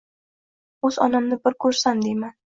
O‘z onamni bir ko‘rsam deyman.